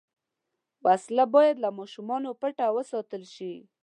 وسله باید له ماشومه پټه وساتل شي